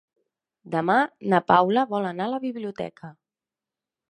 Demà na Paula vol anar a la biblioteca.